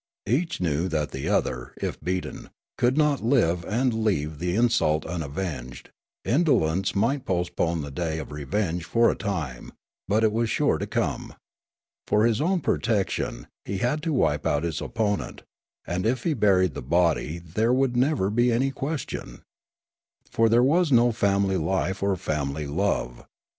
Each knew that the other, if beaten, could not live and leave the insult unavenged ; indolence might postpone the day of revenge for a time, but it was sure to come. For his own protection he had to wipe out his opponent, and if he buried the bod}' there would never be anj^ question. For there was no family life or famih love.